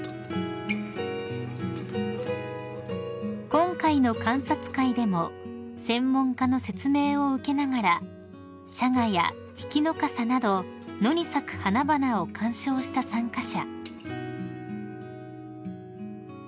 ［今回の観察会でも専門家の説明を受けながらシャガやヒキノカサなど野に咲く花々を観賞した参加者］